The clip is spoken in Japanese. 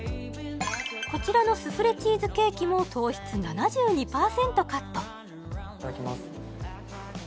こちらのスフレチーズケーキも糖質７２％カットいただきます